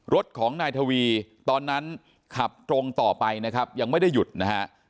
รถของนายทวีตอนนั้นขับตรงต่อไปนะครับยังไม่ได้หยุดนะฮะ